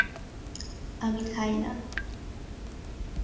আমি খাই না।